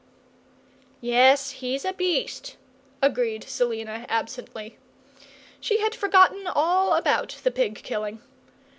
"Yes, he's a beast," agreed Selina, absently. She had forgotten all about the pig killing.